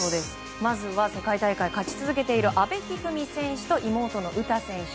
まずは世界大会で勝ち続けている阿部一二三選手と妹の詩選手。